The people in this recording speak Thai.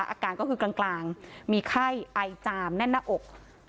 อาการก็คือกลางมีไข้ไอจามแน่นหน้าอก